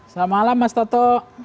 selamat malam mas toto